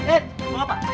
eh mau apa